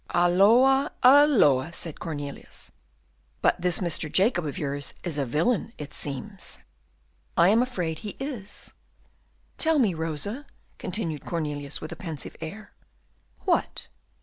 '" "Halloa, halloa!" said Cornelius. "But this Mr. Jacob of yours is a villain, it seems." "I am afraid he is." "Tell me, Rosa," continued Cornelius, with a pensive air. "What?"